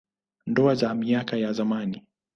Ndoa za miaka ya zamani.